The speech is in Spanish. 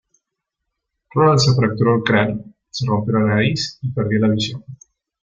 Roald se fracturó el cráneo, se rompió la nariz y perdió la visión.